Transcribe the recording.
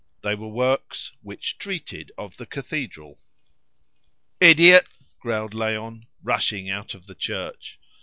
They were works "which treated of the cathedral." "Idiot!" growled Léon, rushing out of the church.